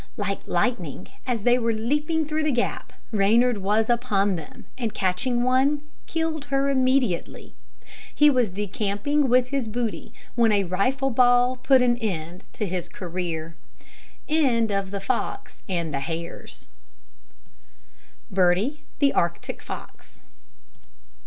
Like lightning, as they were leaping through the gap, Reynard was upon them, and catching one, killed her immediately. He was decamping with his booty, when a rifle ball put an end to his career. BIRDIE, THE ARCTIC FOX.